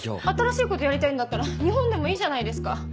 新しいことやりたいんだったら日本でもいいじゃないですか。